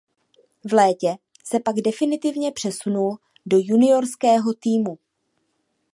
V létě se pak definitivně přesunul do juniorského týmu.